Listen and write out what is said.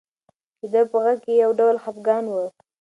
د ده په غږ کې یو ډول خپګان و.